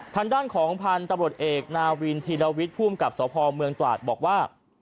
ทางด้านของพันธุ์ตำรวจเอกนาวินธีรวิทย์ภูมิกับสพเมืองตราดบอกว่า